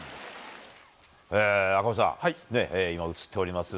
赤星さん、今、映っております